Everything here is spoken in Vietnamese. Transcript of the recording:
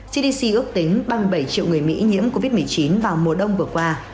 cdc ước tính băng bảy triệu người mỹ nhiễm covid một mươi chín vào mùa đông vừa qua